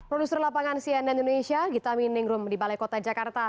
produser lapangan cnn indonesia gitami ningrum di balai kota jakarta